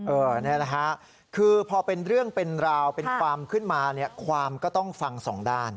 นี่แหละฮะคือพอเป็นเรื่องเป็นราวเป็นความขึ้นมาเนี่ยความก็ต้องฟังสองด้าน